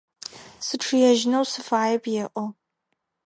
Сычъыежьынэу сыфаеп, – elo.